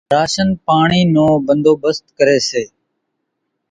راشنَ پاڻِي نو ڀنڌوڀست ڪريَ سي۔